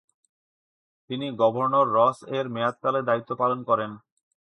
তিনি গভর্নর রস-এর মেয়াদকালে দায়িত্ব পালন করেন।